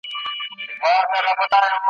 جهاني جامې یې سپیني زړونه تور لکه تبۍ وي `